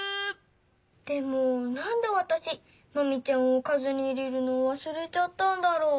でもなんでわたしマミちゃんをかずに入れるのをわすれちゃったんだろう？